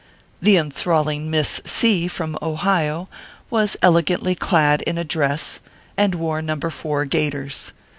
The enthralling Miss C , from Ohio, was ele gantly clad in a dress, and wore number four gaiters.